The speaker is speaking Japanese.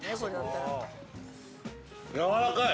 やわらかい！